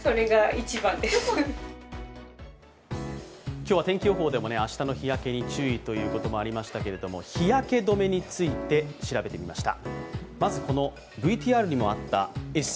今日は天気予報でも明日の日焼けに注意とありましたけれども日焼け止めについて調べてみました。